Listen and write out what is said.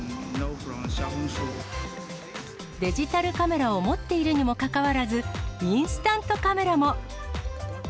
デジタルカメラを持っているにもかかわらず、インスタントカメラも。